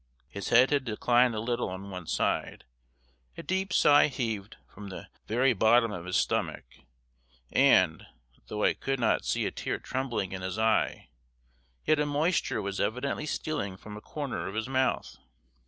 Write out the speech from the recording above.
His head had declined a little on one side; a deep sigh heaved from the very bottom of his stomach, and, though I could not see a tear trembling in his eye, yet a moisture was evidently stealing from a corner of his mouth.